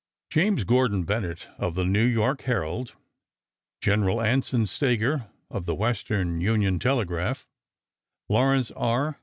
James Gordon Bennett of the New York Herald, Gen. Anson Stager of the Western Union Telegraph, Lawrence R.